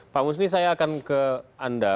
pak musni saya akan ke anda